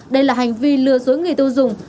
đây là hành vi lừa dối người tiêu dùng